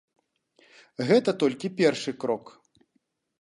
Гэта толькі першы крок.